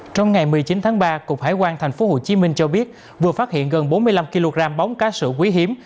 trong ngày một mươi chín tháng ba cục hải quan tp hcm cho biết vừa phát hiện gần bốn mươi năm kg bóng cá sự quý hiếm